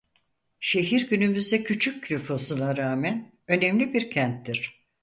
Şehir günümüzde küçük nüfusuna rağmen önemli bir kenttir.